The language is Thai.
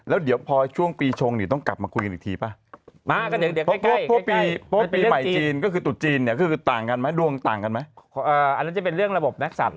แล้วเดี๋ยวพอช่วงปีชงเนี้ย